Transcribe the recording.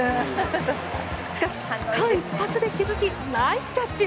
しかし、間一髪で気づきナイスキャッチ！